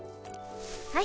はい。